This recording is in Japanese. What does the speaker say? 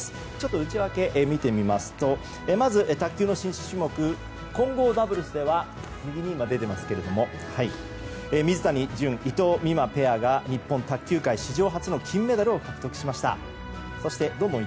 内訳を見てみますと卓球の新種目・混合ダブルスでは水谷隼、伊藤美誠ペアが日本卓球界史上初の金メダルを獲得しました。